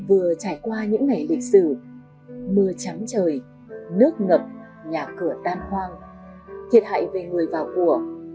mưa vừa trải qua những ngày lịch sử mưa trắng trời nước ngập nhà cửa tan hoang thiệt hại về người vào của